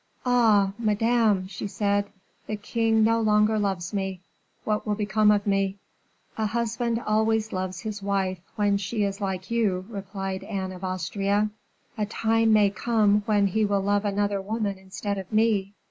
"Ah, madame!" she said, "the king no longer loves me! What will become of me?" "A husband always loves his wife when she is like you," replied Anne of Austria. "A time may come when he will love another woman instead of me."